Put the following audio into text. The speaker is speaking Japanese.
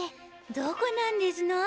どこなんですの？